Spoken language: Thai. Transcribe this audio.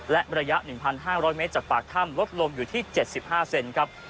และระยะ๑๕๐๐เมตรจากปากถ้ำลดลงอยู่ที่๗๕เซนครับ